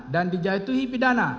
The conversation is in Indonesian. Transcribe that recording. dan dijatuhi pidana